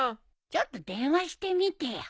ちょっと電話してみてよ。